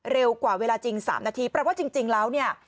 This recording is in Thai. เร็วกว่าเวลาจริง๓นาทีแปลว่าจริงแล้วเนี่ย